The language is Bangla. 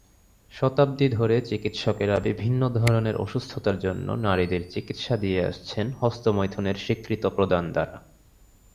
শতাব্দী ধরে, চিকিৎসকেরা বিভিন্ন ধরনের অসুস্থতার জন্য নারীদের চিকিৎসা দিয়ে আসছেন হস্তমৈথুনের স্বীকৃত প্রদান দ্বারা।